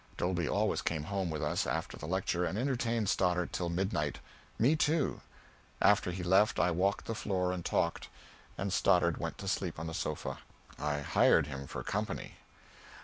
Dolby always came home with us after the lecture, and entertained Stoddard till midnight. Me too. After he left, I walked the floor and talked, and Stoddard went to sleep on the sofa. I hired him for company.